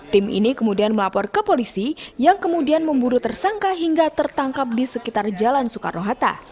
tim ini kemudian melapor ke polisi yang kemudian memburu tersangka hingga tertangkap di sekitar jalan soekarno hatta